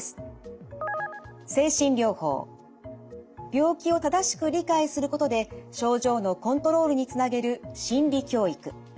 病気を正しく理解することで症状のコントロールにつなげる心理教育。